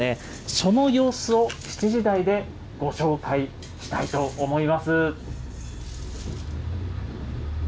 その様子を７時台でご紹介したいと思います。